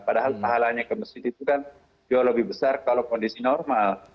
padahal pahalanya ke masjid itu kan jauh lebih besar kalau kondisi normal